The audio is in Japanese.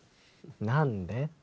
何で？